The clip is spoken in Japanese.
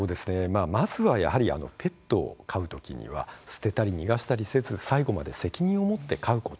まずはペットを飼うときには捨てたり逃がしたりせず最後まで責任を持って飼うこと。